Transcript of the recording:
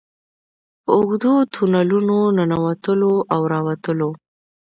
په اوږدو تونلونو ننوتلو او راوتلو.